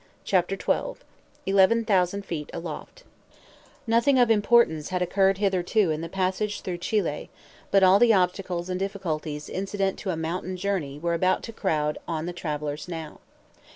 CHAPTER XII ELEVEN THOUSAND FEET ALOFT NOTHING of importance had occurred hitherto in the passage through Chili; but all the obstacles and difficulties incident to a mountain journey were about to crowd on the travelers now.